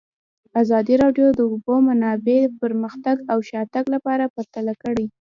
ازادي راډیو د د اوبو منابع پرمختګ او شاتګ پرتله کړی.